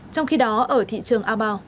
trong khi đó ở thị trường a bao